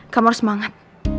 kamu harus semangat